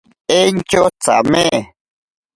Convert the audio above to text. Entyo tsame.